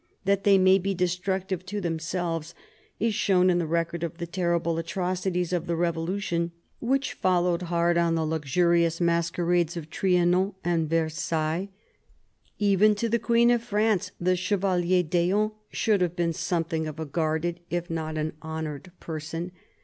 That they may be destructive to themselves is shown in the record of the terrible atrocities of the Revolution which followed hard on the luxurious masquerades of Trianon and Versailles. Even to the Queen of France, the Chevalier d'Eon should have been something of a guarded, if not an honoured, person.